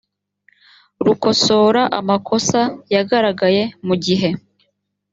rukosora amakosa yagaragaye mu gihe